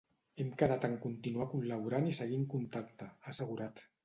“Hem quedat en continuar col·laborant i seguir en contacte”, ha assegurat.